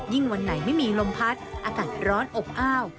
วันไหนไม่มีลมพัดอากาศร้อนอบอ้าว